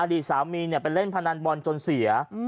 อดีตสามีเนี่ยไปเล่นพนันบอลจนเสีย